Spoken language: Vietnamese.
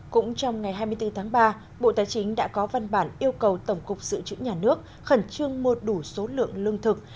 cũng trong ngày hai mươi bốn tháng ba bộ tài chính đã có văn bản yêu cầu tổng cục dự trữ nhà nước khẩn trương mua đủ số lượng lương thực